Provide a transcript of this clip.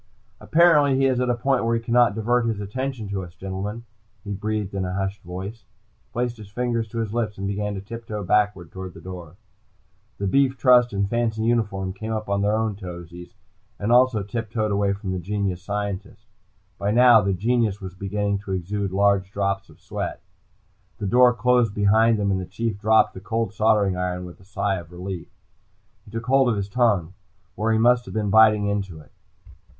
"Apparently he is at a point where he cannot divert his attention to us, gentlemen," he breathed in a hushed voice. He placed his fingers to his lips and began to tip toe backwards toward the door. The beef trust in fancy uniform came up on their own toesies, and also tiptoed away from the genius scientist. By now, the genius was beginning to exude large drops of sweat. The door closed behind them, and the Chief dropped the cold soldering iron with a sigh of relief. He took hold of his tongue, where he must have been biting into it.